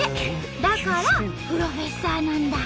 だから風呂フェッサーなんだ！